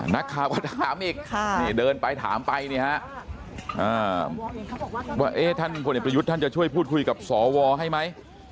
นักข่าวก็ถามอีกเดินไปถามไปเนี่ยฮะว่าท่านพลเอกประยุทธ์ท่านจะช่วยพูดคุยกับสวให้ไหม